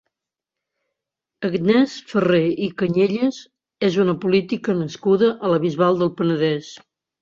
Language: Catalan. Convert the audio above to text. Agnès Ferré i Cañellas és una política nascuda a la Bisbal del Penedès.